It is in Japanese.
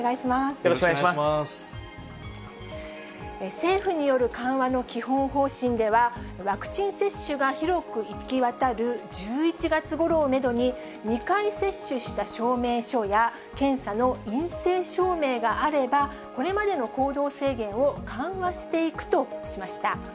政府による緩和の基本方針では、ワクチン接種が広く行き渡る１１月ごろをメドに、２回接種した証明書や検査の陰性証明があれば、これまでの行動制限を緩和していくとしました。